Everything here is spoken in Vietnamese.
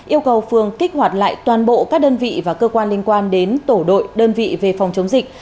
yêu cầu phường kích hoạt lại toàn bộ các đơn vị và cơ quan liên quan đến tổ đội đơn vị về phòng chống dịch